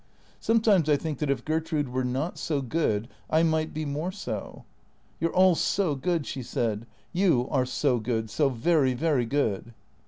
" Sometimes I think that if Gertrude were not so good, I might be more so. You 're all so good," she said. " You are so good, so very, very good."